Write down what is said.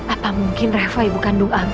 apa mungkin reva ibu kandung abi